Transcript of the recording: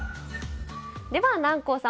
では南光さん